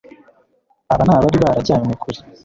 aba ni abari barajyanywe kure